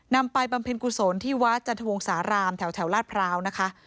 ไปบำเพ็ญกุศลที่วัดจันทวงสารามแถวลาดพร้าวนะคะ